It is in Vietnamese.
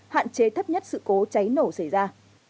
hạn chế thấp nhất sự cố cháy nổ xảy ra